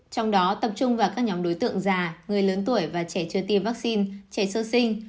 trong đó tập trung vào các nhóm đối tượng già người lớn tuổi và trẻ chưa tiêm vaccine trẻ sơ sinh